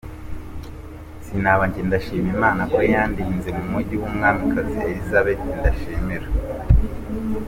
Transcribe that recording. sinaba jyeNdashima Imana ko yandinze mu mujyi wUmwamikazi Elizabetindashimira.